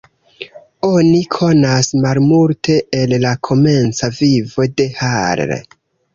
Oni konas malmulte el la komenca vivo de Hall.